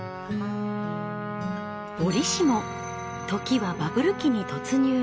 折しも時はバブル期に突入。